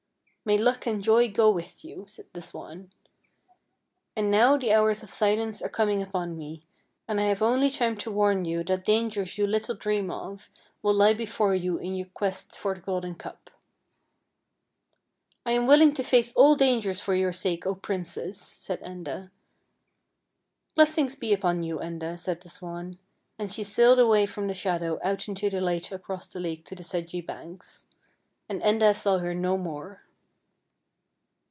" May luck and joy go with you," said the swan. " And now the hours of silence are com ing upon me, and I have only time to warn you that dangers you little dream of will lie before you in your quest for the golden cup." " I am willing to face all dangers for your sake, O princess," said Enda. " Blessings be upon you, Enda," said the swan, and she sailed away from the shadow out into the light across the lake to the sedgy banks. And Enda saw her no more.